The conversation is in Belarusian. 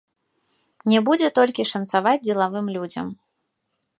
Не будзе толькі шанцаваць дзелавым людзям.